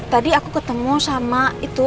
tadi aku ketemu sama itu